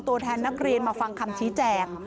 ตัวแทนนักเรียนมาฟังคำชี้แจง